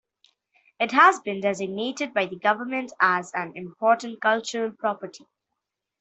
It has been designated by the government as an Important Cultural Property.